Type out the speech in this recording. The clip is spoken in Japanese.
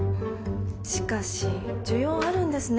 しかし需要あるんですね